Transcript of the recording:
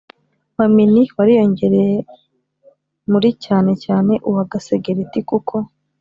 Wa mini wariyongereye muri cyane cyane uwa gasegereti kuko